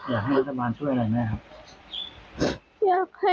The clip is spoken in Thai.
อยากให้รัฐบาลช่วยอะไรแม่ครับ